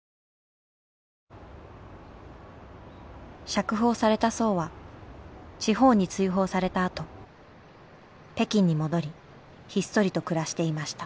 釈放された荘は地方に追放されたあと北京に戻りひっそりと暮らしていました。